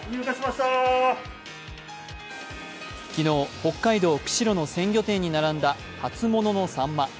昨日、北海道・釧路の鮮魚店に並んだ初物のさんま。